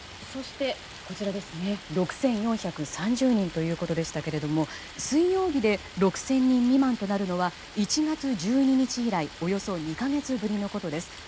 そして６４３０人ということでしたけど水曜日で６０００人未満となるのは１月１２日以来およそ２か月ぶりのことです。